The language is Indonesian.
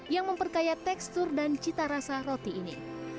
yang memperkaya tekstur dan cita rasa roti ini